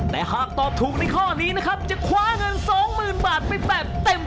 แต่หากตอบถูกในข้อนี้นะครับจะคว้าเงิน๒๐๐๐บาทไปแบบเต็ม